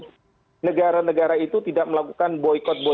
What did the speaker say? jadi negara negara itu tidak melakukan boykot boykot